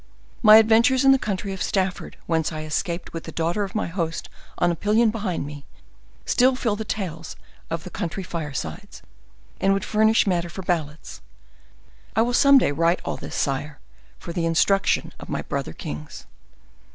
My adventures in the county of Stafford, whence I escaped with the daughter of my host on a pillion behind me, still fill the tales of the country firesides, and would furnish matter for ballads. I will some day write all this, sire, for the instruction of my brother kings.